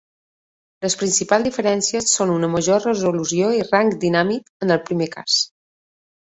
Les principals diferències són una major resolució i rang dinàmic en el primer cas.